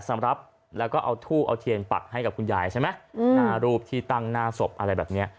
สำหรับแล้วก็เอาทูบเอาเทียนปักให้กับคุณยายใช่ไหมหน้ารูปที่ตั้งหน้าศพอะไรแบบนี้